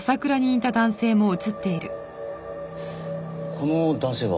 この男性は？